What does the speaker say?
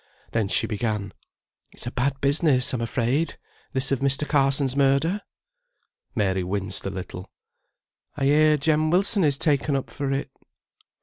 Then she began: "It's a bad business, I'm afraid, this of Mr. Carson's murder." Mary winced a little. "I hear Jem Wilson is taken up for it."